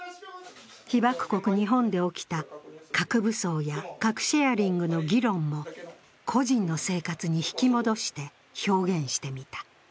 被爆国・日本で起きた核武装や核シェアリングの議論も個人の生活に引き戻して表現してみた。